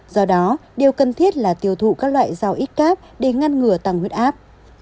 do đó điều cần thiết là tiêu thụ các loại dầu ít cát để ngăn ngừa tăng huyết áp